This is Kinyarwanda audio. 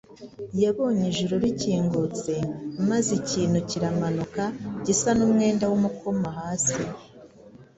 yabonye ijuru rikingutse, maze ikintu kiramanuka gisa n’umwenda w’umukomahasi,